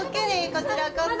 こちらこそ。